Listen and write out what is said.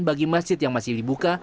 bagi masjid yang masih dibuka